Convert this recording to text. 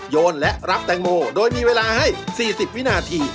โยนและรับแตงโมโดยมีเวลาให้๔๐วินาที